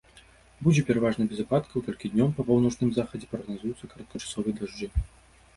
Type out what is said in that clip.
Будзе пераважна без ападкаў, толькі днём па паўночным захадзе прагназуюцца кароткачасовыя дажджы.